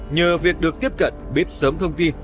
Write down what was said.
nhờ việc được tiếp cận biết sớm thông tin